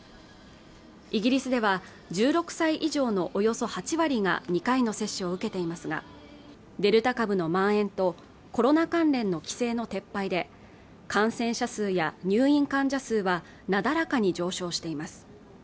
イギリスでは１６歳以上のおよそ８割が２回の接種を受けていますがデルタ株のまん延とコロナ関連の規制の撤廃で感染者数や入院患者数はなだらかに上昇しています